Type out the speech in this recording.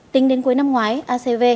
tính đến cuối năm ngoái acv